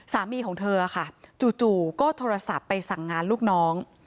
สามีของเธอค่ะจู่ก็โทรศัพท์ไปสั่งงานลูกน้อง